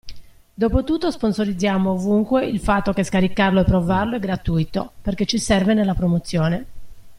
Dopotutto sponsorizziamo ovunque il fatto che scaricarlo e provarlo è gratuito perché ci serve nella promozione.